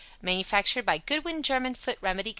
Man'f'd by Goodwin German Foot Remedy Co.